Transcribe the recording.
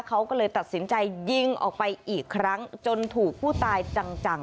เขาก็เลยตัดสินใจยิงออกไปอีกครั้งจนถูกผู้ตายจัง